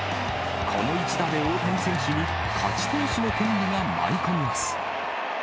この一打で大谷選手に勝ち投手の権利が舞い込みます。